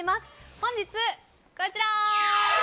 本日、こちら！